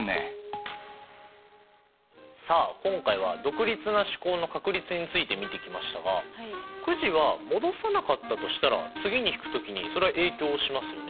今回は独立な試行の確率について見てきましたがくじは戻さなかったとしたら次に引く時にそれは影響しますよね。